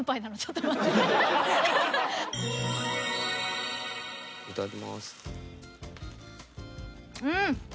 いただきまーす。